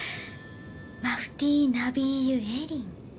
マフティー・ナビーユ・エリン。